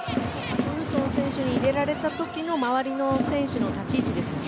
パク・ウンソン選手に入られた時の周りの選手の立ち位置ですね。